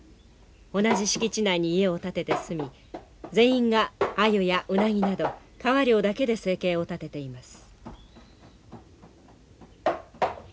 同じ敷地内に家を建てて住み全員がアユやウナギなど川漁だけで生計を立てています。